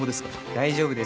大丈夫ですか？